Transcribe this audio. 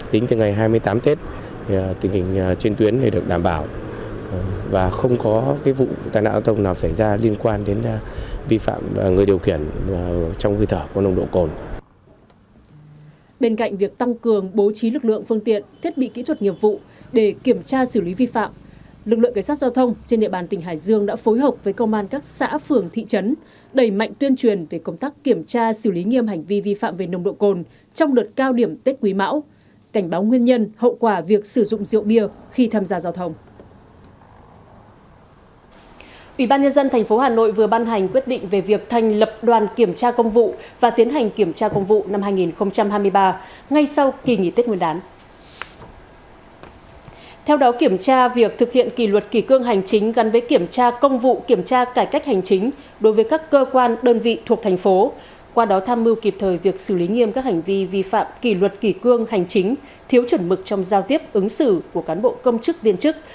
tết nguyên đán quý mão lực lượng cảnh sát giao thông toàn tỉnh hải dương đã xử phạt chín mươi sáu trường hợp tức từ ngày hai mươi tháng một đến hết ngày mùng ba tết nguyên đán quý mão lực lượng cảnh sát giao thông toàn tỉnh hải dương đã xử lý nghiêm hành vi phạm về nồng độ cồn trong đợt cao điểm tết quý mão cảnh báo nguyên nhân hậu quả việc sử dụng rượu bia khi tham gia giao thông tỉnh hải dương đã xử lý nghiêm hành vi phạm về nồng độ cồn trong đợt cao điểm tết quý mão cảnh báo nguyên nhân hậu quả việc sử dụng rượu